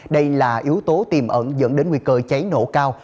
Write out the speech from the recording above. đây là yếu tố tiềm ẩn dẫn đến nguy cơ cháy nổ cao